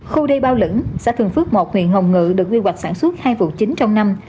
khu đê bao lửng xã thường phước một huyện hồng ngự được quy hoạch sản xuất hai vụ chính trong năm